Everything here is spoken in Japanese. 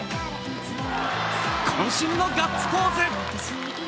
こん身のガッツポーズ。